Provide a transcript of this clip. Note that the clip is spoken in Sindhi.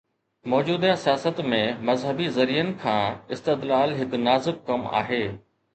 موجوده سياست ۾ مذهبي ذريعن کان استدلال هڪ نازڪ ڪم آهي.